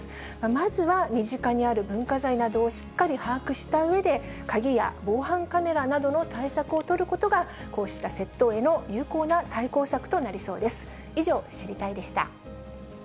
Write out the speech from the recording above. まずは、身近にある文化財などをしっかり把握したうえで、鍵や防犯カメラなどの対策を取ることが、こうした窃盗への有効な対抗策となりそうです。